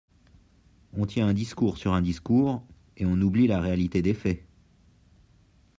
On tient un discours sur un discours et on oublie la réalité des faits.